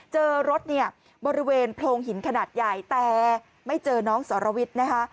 เจอรถเนี่ยบริเวณโพรงหินขนาดใหญ่แต่ไม่เจอน้องสรวิทย์นะคะ